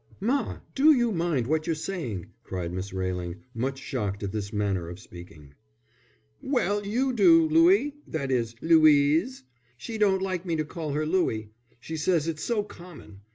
"Ma, do mind what you're saying," cried Miss Railing, much shocked at this manner of speaking. "Well, you do, Louie that is Louise. She don't like me to call her Louie. She says it's so common.